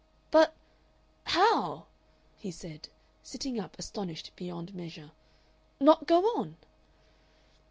"But, how," he said, sitting up astonished beyond measure, "not go on?"